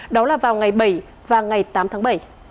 đó là vào ngày bảy và ngày tám tháng bảy